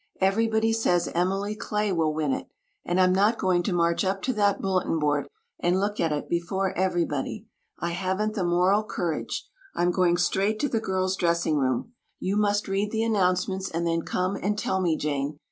"Everybody says Emily Clay will win it. And I'm not going to march up to that bulletin board and look at it before everybody. I haven't the moral courage. I'm going straight to the girls' dressing room. You must read the announcements and then come and tell me, Jane.